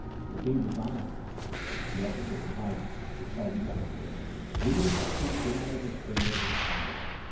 The King desires it." The officer replied: "It shall be done." Louis XVI. came out of his chamber with his family.